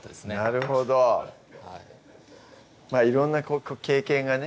なるほどまぁ色んな経験がね